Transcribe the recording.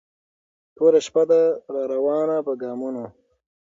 توره شپه ده را روانه په ګامونو